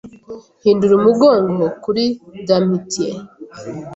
Hindura umugongo kuri Damiette